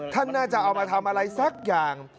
ท่านน่าจะเอามาทำอะไรสักอย่าง